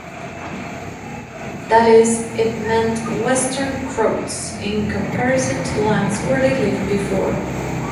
That is, it meant "Western Croats", in comparison to lands where they lived before.